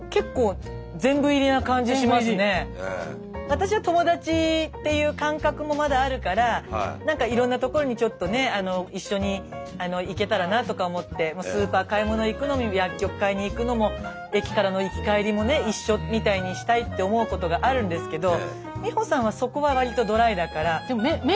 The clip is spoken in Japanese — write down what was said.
私は友達っていう感覚もまだあるからいろんなところにちょっとね一緒に行けたらなとか思ってスーパー買い物行くのも薬局買いに行くのも駅からの行き帰りもね一緒みたいにしたいって思うことがあるんですけど美穂さんはそこは割とドライだから。